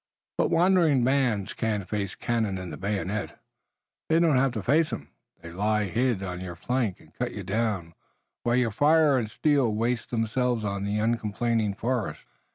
"But wandering bands can't face cannon and the bayonet." "They don't have to face 'em. They lie hid on your flank and cut you down, while your fire and steel waste themselves on the uncomplaining forest."